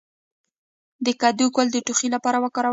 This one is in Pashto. د کدو ګل د ټوخي لپاره وکاروئ